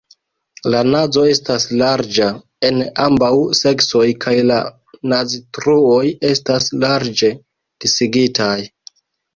La nazo estas larĝa en ambaŭ seksoj kaj la naztruoj estas larĝe disigitaj.